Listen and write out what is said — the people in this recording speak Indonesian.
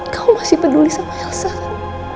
kau masih peduli sama elsa kan